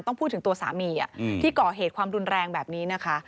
ต้องพูดถึงตัวสามีที่ก่อเหตุความรุนแรงแบบนี้นะคะ